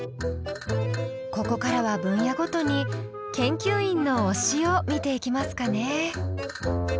ここからは分野ごとに研究員の推しを見ていきますかね。